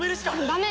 ダメ！